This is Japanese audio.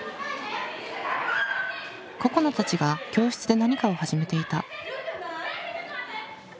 ここなたちが教室で何かを始めていた。